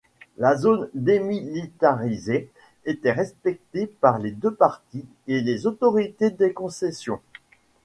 La zone démilitarisée était respecté par les deux parties et les autorités des concessions.